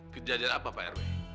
kejadian apa pak rw